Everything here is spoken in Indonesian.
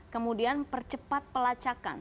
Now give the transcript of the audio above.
kemudian percepat pelacakan